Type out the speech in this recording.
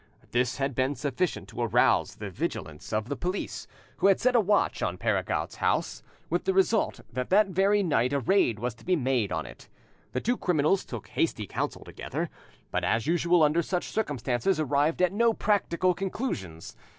This had been sufficient to arouse the vigilance of the police, who had set a watch on Perregaud's house, with the result that that very night a raid was to be made on it. The two criminals took hasty counsel together, but, as usual under such circumstances, arrived at no practical conclusions.